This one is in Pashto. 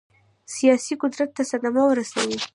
سیاسي قدرت ته صدمه ورسوي.